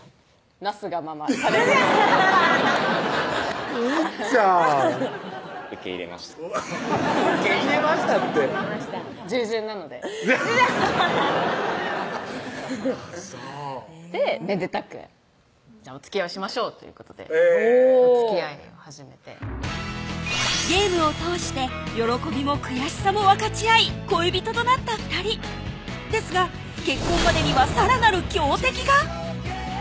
なすがままみっちゃん受け入れました「受け入れました」って従順なのでそうでめでたく「おつきあいをしましょう」ということでおつきあいを始めてゲームを通して喜びも悔しさも分かち合い恋人となった２人ですが結婚までにはさらなる強敵が？